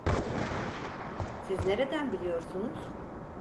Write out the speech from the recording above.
Siz nereden biliyorsunuz?